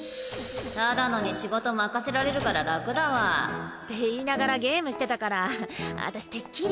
只野に仕事任せられるから楽だわって言いながらゲームしてたから私てっきり。